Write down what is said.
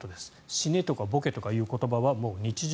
死ねとかボケとかいう言葉は日常